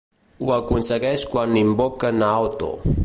Ho aconsegueix quan invoca Naoto.